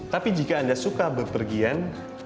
tapi jika anda suka berpergian